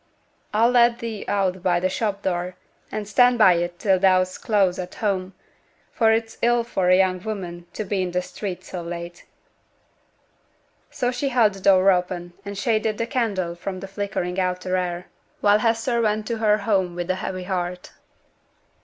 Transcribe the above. I'll let thee out by t' shop door, and stand by it till thou's close at home, for it's ill for a young woman to be i' t' street so late.' So she held the door open, and shaded the candle from the flickering outer air, while Hester went to her home with a heavy heart.